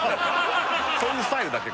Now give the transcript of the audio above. そういうスタイルだっけ